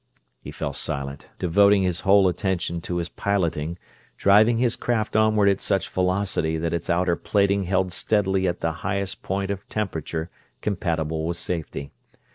He fell silent, devoting his whole attention to his piloting, driving his craft onward at such velocity that its outer plating held steadily at the highest point of temperature compatible with safety.